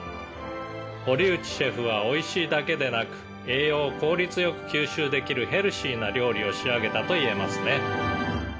「堀内シェフはおいしいだけでなく栄養を効率良く吸収できるヘルシーな料理を仕上げたと言えますね」